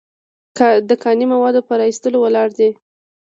د کاني موادو په را ایستلو ولاړ دی.